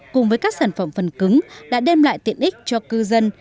cùng với các sản phẩm phần cứng đã đem lại tiện ích cho cư dân